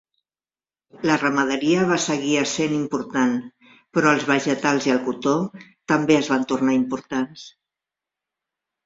La ramaderia va seguir essent important, però els vegetals i el cotó també es van tornar importants.